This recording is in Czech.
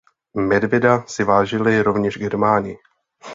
Medvěda si vážili rovněž Germáni.